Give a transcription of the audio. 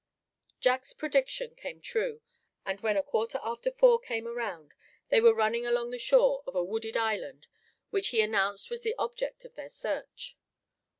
Jack's prediction came true, and when a quarter after four came around, they were running along the shore of a wooded island which he announced was the object of their search.